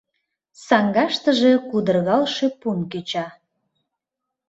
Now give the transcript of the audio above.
Саҥгаштыже кудыргалше пун кеча.